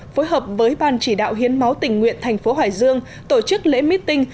phối hợp với ban chỉ đạo hiến máu tình nguyện thành phố hải dương tổ chức lễ mít tinh